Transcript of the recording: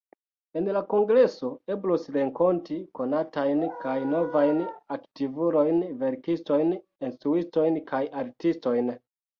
En la kongreso, eblos renkonti konatajn kaj novajn aktivulojn, verkistojn, instruistojn, kaj artistojn.